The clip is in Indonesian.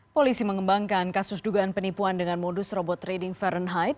polisi mengembangkan kasus dugaan penipuan dengan modus robot trading fahrenheit